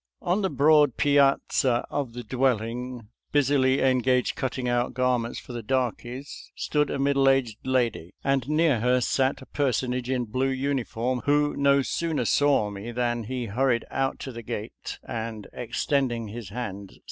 *«» On the broad piazza of the dwelling, busily engaged cutting out garments for the darkies, stood a middle aged lady, and near her sat a personage in blue uniform, who no sooner saw me than he hurried out to the gate, and, extend ing his hand, said.